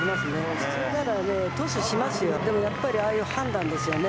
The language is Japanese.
普通ならね、トスしますよ、でもやっぱり、ああいう判断ですよね。